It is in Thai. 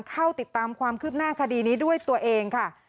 เข้าติดตามความคืบหน้าคดีนี้ด้วยตัวเองค่ะ